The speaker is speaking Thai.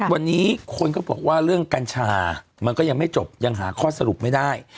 วันนี้คนก็บอกว่าเรื่องกัญชามันก็ยังไม่จบยังหาข้อสรุปไม่ได้